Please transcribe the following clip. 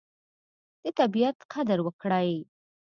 د طبیعت قدر وکړئ.